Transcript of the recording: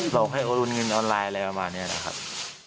หลอกให้โอนเงินออนไลน์อะไรประมาณนี้นะครับ